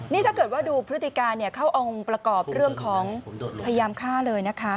นี่ถ้าเกิดว่าดูพฤติการเข้าองค์ประกอบเรื่องของพยายามฆ่าเลยนะคะ